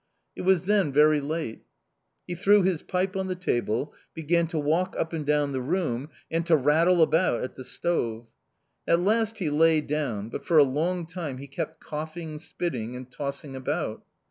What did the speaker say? It was then very late. He threw his pipe on the table, began to walk up and down the room, and to rattle about at the stove. At last he lay down, but for a long time he kept coughing, spitting, and tossing about.